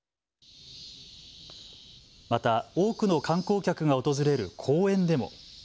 また多くの観光客が訪れる公園でも。